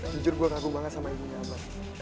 jujur gue kagum banget sama imunya bang